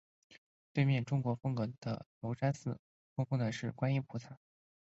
对面中国风格的龙山寺供奉的是观音菩萨。